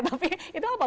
tapi itu apa